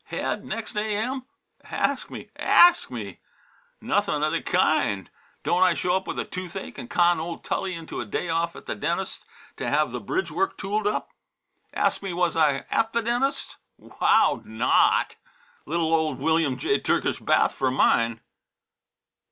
Head, next A.M.? ask me, ask me! Nothing of the kind! Don't I show up with a toothache and con old Tully into a day off at the dentist's to have the bridge work tooled up. Ask me was I at the dentist's? Wow! Not! little old William J. Turkish bath for mine!"